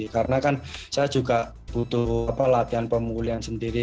karena kan saya juga butuh latihan pemulihan sendiri